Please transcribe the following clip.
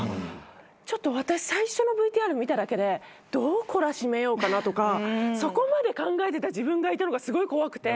ちょっと私最初のＶＴＲ見ただけでどう懲らしめようかなとかそこまで考えてた自分がいたのがすごい怖くて。